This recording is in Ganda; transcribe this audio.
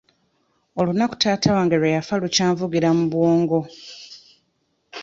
Olunaku taata wange lwe yafa lukyanvugira mu bwongo.